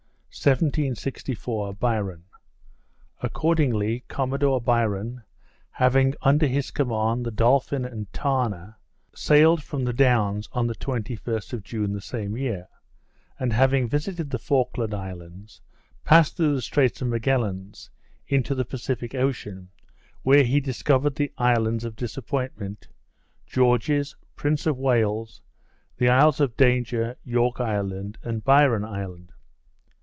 1764 Byron. Accordingly Commodore Byron, having under his command the Dolphin and Tamer, sailed from the Downs on the 21st of June the same year; and having visited the Falkland Islands, passed through the Straits of Magalhaens into the Pacific Ocean, where he discovered the islands of Disappointment, George's, Prince of Wales's, the isles of Danger, York Island, and Byron Island.